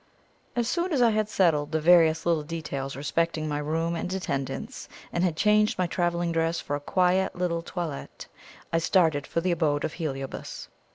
As soon as I had settled the various little details respecting my room and attendance, and had changed my travelling dress for a quiet visiting toilette, I started for the abode of Heliobas.